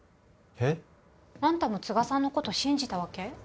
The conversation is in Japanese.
えっ？あんたも都賀さんのこと信じたわけ？